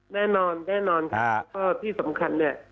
แน่นอนแน่นอนค่ะก็ที่สำคัญเนี่ย